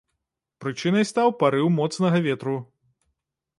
Прычынай стаў парыў моцнага ветру.